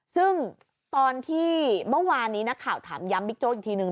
ซึ่งตอนที่เมื่อวานนี้นักข่าวถามย้ำบิ๊กโจ๊กอีกทีนึง